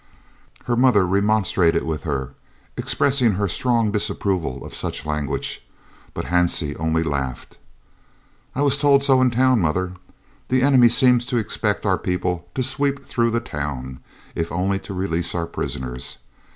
Her mother remonstrated with her, expressing her strong disapproval of such language, but Hansie only laughed. "I was told so in town, mother. The enemy seems to expect our people to sweep through the town, if only to release our prisoners.